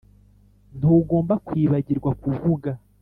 ntugomba kwibagirwa kuvuga,